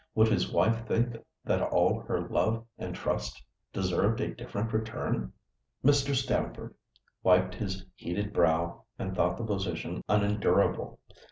Would his wife think that all her love and trust deserved a different return?" Mr. Stamford wiped his heated brow and thought the position unendurable.